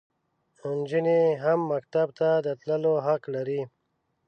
انجونې هم مکتب ته د تللو حق لري.